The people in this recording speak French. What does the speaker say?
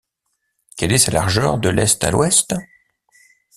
Quelle est sa largeur de l’est à l’ouest?